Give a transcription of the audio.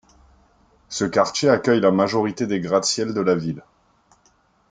Ce quartier accueille la majorité des gratte-ciels de la ville.